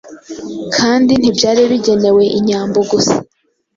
kandi ntibyari bigenewe inyambo gusa.